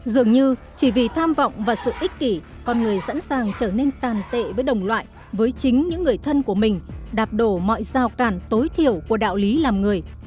dường như chỉ vì tham vọng và sự ích kỷ con người sẵn sàng trở nên tàn tệ với đồng loại với chính những người thân của mình đạp đổ mọi giao cản tối thiểu của đạo lý làm người